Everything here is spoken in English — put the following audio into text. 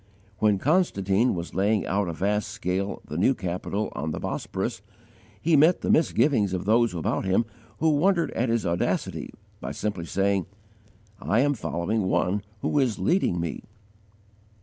When Constantine was laying out on a vast scale the new capital on the Bosphorus, he met the misgivings of those about him who wondered at his audacity, by simply saying, "I am following One who is leading me."